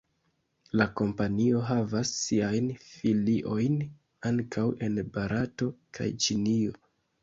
La kompanio havas siajn filiojn ankaŭ en Barato kaj Ĉinio.